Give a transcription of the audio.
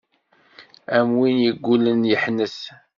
Am win yeggullen yeḥnet.